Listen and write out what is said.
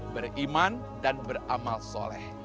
beriman dan beramal soleh